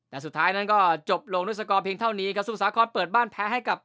แต่สุดท้ายนั้นก็จบลงด้วยสกอร์เพียงเท่านี้ครับสมุทรสาครเปิดบ้านแพ้ให้กับ